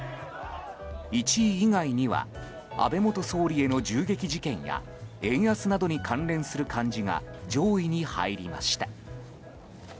１位以外には安倍元総理の銃撃事件や円安などに関連する漢字が上位に入りました。